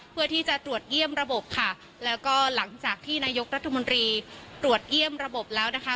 เพื่อที่จะตรวจเยี่ยมระบบค่ะแล้วก็หลังจากที่นายกรัฐมนตรีตรวจเยี่ยมระบบแล้วนะคะ